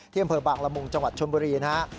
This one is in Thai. เที่ยมเผลอบางละมุงจังหวัดชนบุรีนะครับ